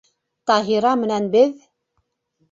Таһира менән беҙ...